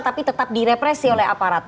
tapi tetap direpresi oleh aparat